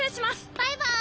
バイバーイ。